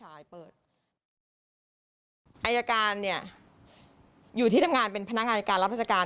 อายการเนี่ยอยู่ที่ทำงานเป็นพนักงานอายการรับราชการ